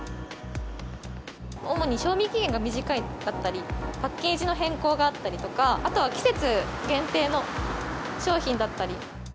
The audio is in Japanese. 主に賞味期限が短いだったり、パッケージの変更があったりとか、あとは季節限定の商品だったり。